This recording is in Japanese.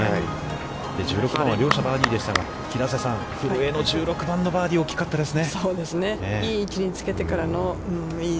１６番は両者バーディーでしたが平瀬さん、古江の１６番のバーディー、大きかったですね。